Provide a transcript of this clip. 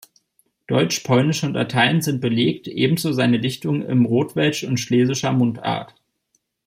Deutsch, Polnisch und Latein sind belegt, ebenso seine Dichtungen in Rotwelsch und schlesischer Mundart.